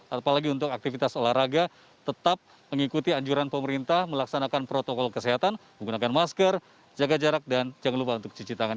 apalagi untuk aktivitas olahraga tetap mengikuti anjuran pemerintah melaksanakan protokol kesehatan menggunakan masker jaga jarak dan jangan lupa untuk cuci tangan